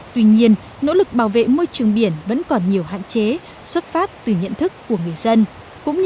tuy nhiên nỗ lực bảo vệ môi trường biển vẫn còn nhiều hạn chế xuất phát từ nhận thức của người dân